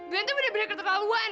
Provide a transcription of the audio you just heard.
ganteng bedanya kata kawan